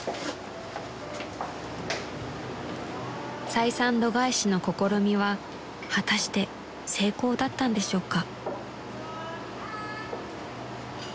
［採算度外視の試みは果たして成功だったんでしょうか？］